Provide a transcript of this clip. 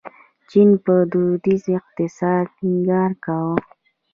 چین په دودیز اقتصاد ټینګار کاوه.